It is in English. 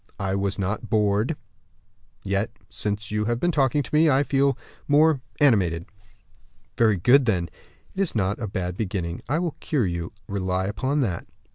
"I was not bored; yet since you have been talking to me, I feel more animated." "Very good, then; that is not a bad beginning. I will cure you, rely upon that."